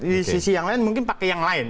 di sisi yang lain mungkin pakai yang lain